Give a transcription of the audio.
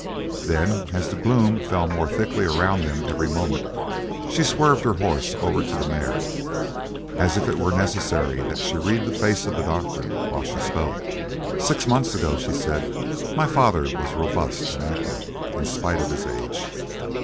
Then, as the gloom fell more thickly around them every moment, she swerved her horse over to the mare, as if it were necessary that she read the face of the doctor while she spoke. "Six months ago," she said, "my father was robust and active in spite of his age.